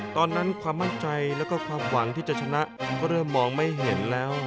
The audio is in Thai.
ตอนนั้นความมั่งใจและความหวังที่จะชนะก็เริ่มมองไม่เห็นแล้ว